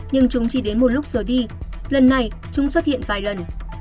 nhưng chúng chỉ đến một lúc giờ đi lần này chúng xuất hiện vài lần